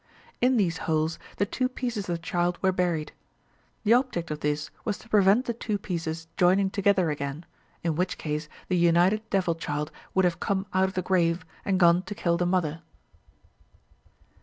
In these holes, the two pieces of the child were buried. The object of this was to prevent the two pieces joining together again, in which case the united devil child would have come out of the grave, and gone to kill the mother.